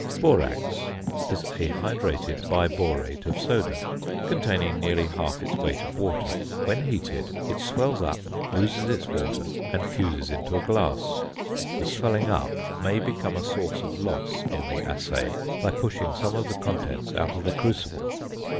~Borax~ is a hydrated biborate of soda, containing nearly half its weight of water. When heated it swells up, loses its water, and fuses into a glass. The swelling up may become a source of loss in the assay by pushing some of the contents out of the crucible.